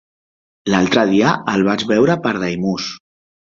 L'altre dia el vaig veure per Daimús.